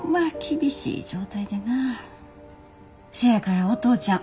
せやからお父ちゃん